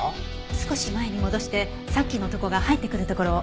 少し前に戻してさっきの男が入ってくるところを。